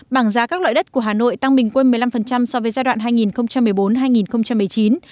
bảng giá các loại đất của hà nội tăng bình quân một mươi năm so với giai đoạn hai nghìn một mươi bốn hai nghìn một mươi chín